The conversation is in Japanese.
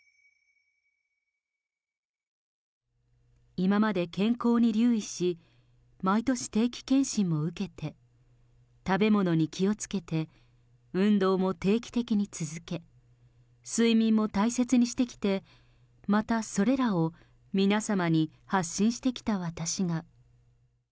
今まで健康に留意し、毎年定期検診も受けて、食べ物に気を付けて、運動も定期的に続け、睡眠も大切にしてきて、またそれらを皆様に発信してきた私が。